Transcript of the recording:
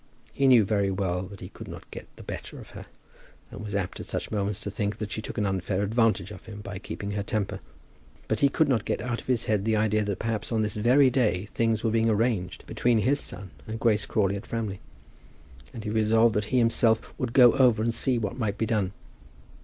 He knew very well that he could not get the better of her, and was apt at such moments to think that she took an unfair advantage of him by keeping her temper. But he could not get out of his head the idea that perhaps on this very day things were being arranged between his son and Grace Crawley at Framley; and he resolved that he himself would go over and see what might be done.